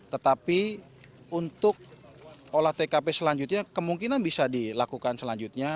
tetapi untuk olah tkp selanjutnya kemungkinan bisa dilakukan selanjutnya